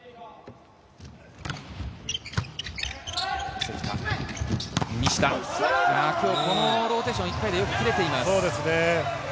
関田、西田、今日このローテーション１回でよく切れています。